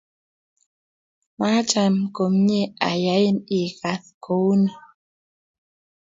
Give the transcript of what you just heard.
maacham komye ayain ikas kou ni